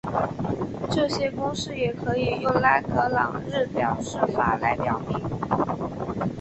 这些公式也可以用拉格朗日表示法来表示。